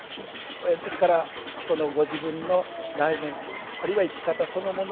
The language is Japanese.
ですからご自分の内面あるいは生き方そのものを見つめる。